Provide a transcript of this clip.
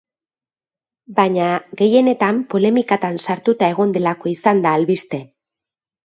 Baina, gehienetan polemikatan sartuta egon delako izan da albiste.